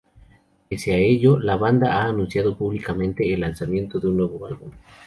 Pese a ello, la banda ha anunciado públicamente el lanzamiento de un nuevo álbum.